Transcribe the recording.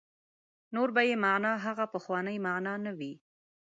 نور به یې معنا هغه پخوانۍ معنا نه وي.